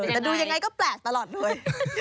แต่ดูยังไงก็แปลกตลอดด้วย